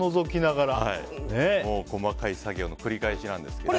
細かい作業の繰り返しなわけですね。